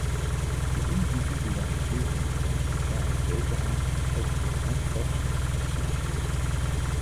De individualisering van de sociale zekerheid is ook voor mijn fractie essentieel.